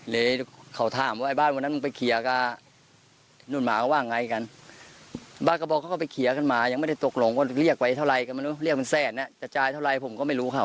เลยเขาถามว่าไอ้บ้านวันนั้นมึงไปเคลียร์กับนู่นหมาเขาว่าไงกันบ้านก็บอกเขาก็ไปเคลียร์กันมายังไม่ได้ตกลงว่าเรียกไปเท่าไรก็ไม่รู้เรียกเป็นแสนจะจ่ายเท่าไรผมก็ไม่รู้เขา